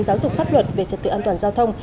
giáo dục pháp luật về trật tự an toàn giao thông